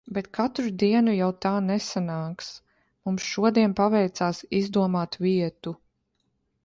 Bet katru dienu jau tā nesanāks. Mums šodien paveicās izdomāt vietu.